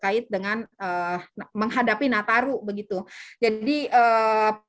jadi penguatan manajemen implementasi yang di lapangan yang ppkm itu masih di mencegahan kemudian pembinaan penanganan dan penyelenggaraan